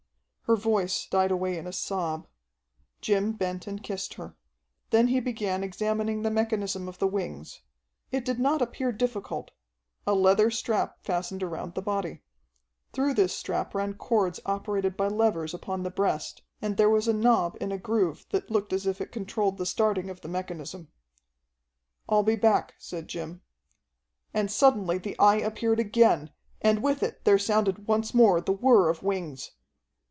Her voice died away in a sob. Jim bent and kissed her. Then he began examining the mechanism of the wings. It did not appear difficult. A leather strap fastened around the body. Through this strap ran cords operated by levers upon the breast, and there was a knob in a groove that looked as if it controlled the starting of the mechanism. "I'll be back," said Jim. And suddenly the Eye appeared again, and with it there sounded once more the whir of wings.